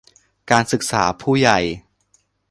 การศึกษาผู้ใหญ่